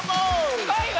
すごいわ。